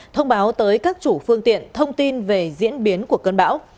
thông báo tới các chủ phương tiện thông tin về diễn biến của cơn bão